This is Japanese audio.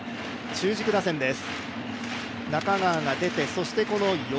中軸打線です。